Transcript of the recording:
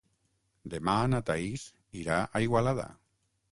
Demà na Thaís irà a Igualada.